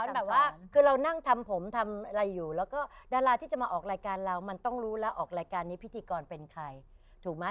แบบว่าคือเรานั่งทำผมทำอะไรอยู่แล้วก็ดาราที่จะมาออกรายการเรามันต้องรู้แล้วออกรายการนี้พิธีกรเป็นใครถูกไหม